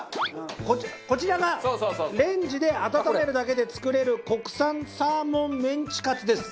こちらがレンジで温めるだけで作れる国産サーモンメンチカツです。